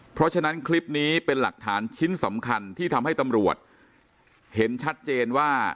เพราะฉะนั้นคลิปนี้เป็นหลักฐานชิ้นสำคัญที่ทำให้ตำรวจเห็นชัดเจนว่า